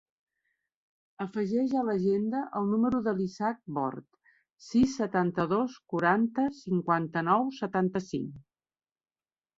Afegeix a l'agenda el número de l'Ishaq Bort: sis, setanta-dos, quaranta, cinquanta-nou, setanta-cinc.